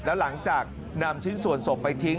แล้วหลังจากนำชิ้นส่วนศพไปทิ้ง